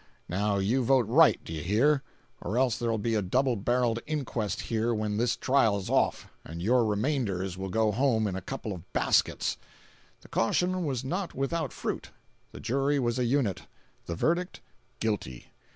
Now you vote right, do you hear?—or else there'll be a double barreled inquest here when this trial's off, and your remainders will go home in a couple of baskets." The caution was not without fruit. The jury was a unit—the verdict. "Guilty."